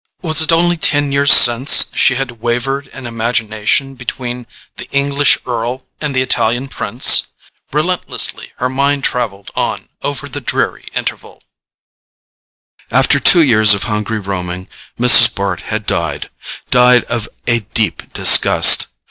Was it only ten years since she had wavered in imagination between the English earl and the Italian prince? Relentlessly her mind travelled on over the dreary interval.... After two years of hungry roaming Mrs. Bart had died——died of a deep disgust.